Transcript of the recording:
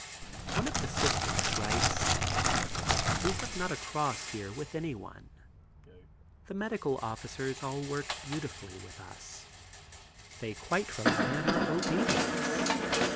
One of the Sisters writes: "We have not a cross here with anyone. The medical officers all work beautifully with us. They quite rely on our obedience.